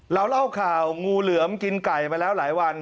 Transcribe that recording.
เล่าข่าวงูเหลือมกินไก่มาแล้วหลายวัน